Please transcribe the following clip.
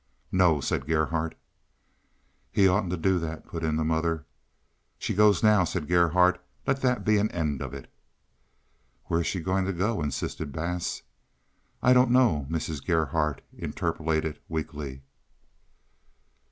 "No," said Gerhardt. "He oughtn't to do that," put in the mother. "She goes now," said Gerhardt. "Let that be an end of it." "Where is she going to go?" insisted Bass. "I don't know," Mrs. Gerhardt interpolated weakly.